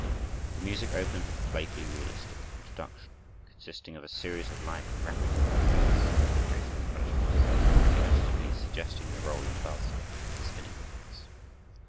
The music opens with a playfully realistic introduction, consisting of a series of light, rapid running figures and graceful embellishments, imitatively suggesting the roll and buzz of the spinning wheels.